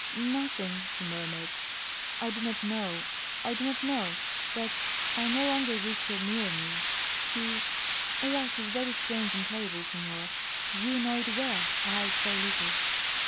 "Nothing," she murmured. "I do not know I do not know. But I no longer wish her near me. She life is very strange and terrible, senor. You know it well I, so little."